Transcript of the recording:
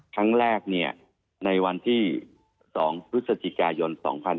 ครั้งแรกในวันที่๒พฤศจิกายน๒๕๖๒